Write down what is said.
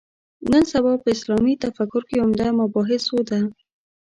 نن سبا په اسلامي تفکر کې عمده مباحثو ده.